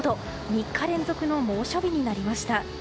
３日連続の猛暑日になりました。